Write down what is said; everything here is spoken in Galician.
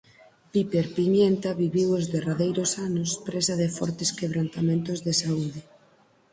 Piper Pimienta viviu os derradeiros anos presa de fortes quebrantamentos de saúde.